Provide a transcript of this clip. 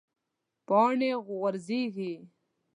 پاڼې غورځیږي